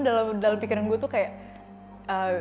tapi dalam pikiran gue kayak